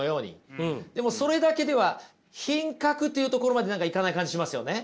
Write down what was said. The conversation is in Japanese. でもそれだけでは品格っていうところまで何かいかない感じしますよね。